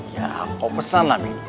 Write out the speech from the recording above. ya kau pesan lah